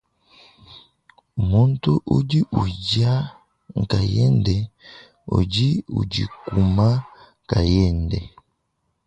Muntu udi udia nkayende udi udikuma nkayende.